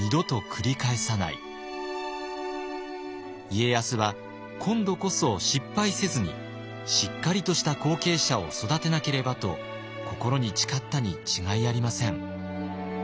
家康は今度こそ失敗せずにしっかりとした後継者を育てなければと心に誓ったに違いありません。